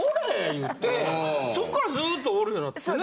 言うてそっからずっとおるようになってんね。